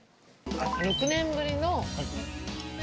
６年ぶりの。